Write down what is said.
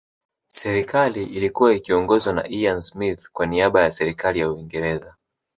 Serikali iIlikua ikiiongozwa na Ian Smith kwa niaba ya Serikali ya Uingereza